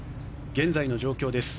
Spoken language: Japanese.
現在の状況です。